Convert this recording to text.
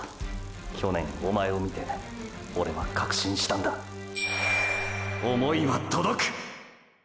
去年おまえを見てオレは確信したんだ想いは届く！！